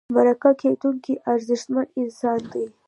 مرکه کېدونکی ارزښتمن انسان دی.